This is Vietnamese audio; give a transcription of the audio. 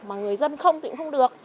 mà người dân không thì cũng không được